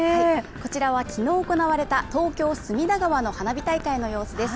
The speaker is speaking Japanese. こちらは昨日行われた東京・隅田川の花火大会の様子です